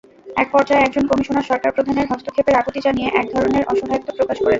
একপর্যায়ে একজন কমিশনার সরকারপ্রধানের হস্তক্ষেপের আকুতি জানিয়ে একধরনের অসহায়ত্ব প্রকাশ করেছেন।